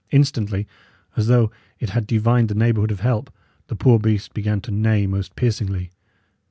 Instantly, as though it had divined the neighbourhood of help, the poor beast began to neigh most piercingly.